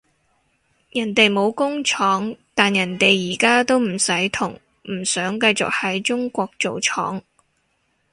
人哋冇工廠，但人哋而家都唔使同唔想繼續喺中國做廠